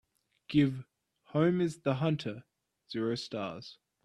Give Home Is the Hunter zero stars